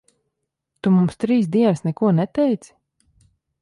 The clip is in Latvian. Tu mums trīs dienas neko neteici?